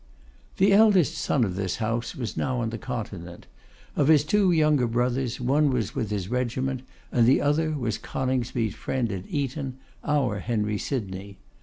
The eldest son of this house was now on the continent; of his two younger brothers, one was with his regiment and the other was Coningsby's friend at Eton, our Henry Sydney.